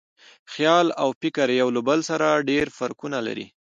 خیال او فکر یو له بل سره ډېر فرقونه لري.